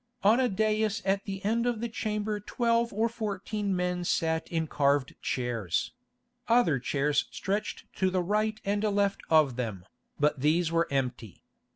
On a daïs at the end of the chamber twelve or fourteen men sat in carved chairs; other chairs stretched to the right and left of them, but these were empty.